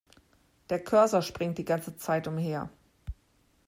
Der Cursor springt die ganze Zeit umher.